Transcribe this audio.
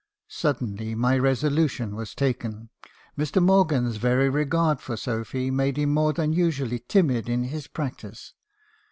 Suddenly, my resolution was taken. Mr. Morgan's very regard for Sophy made him more than usually timid in his practice.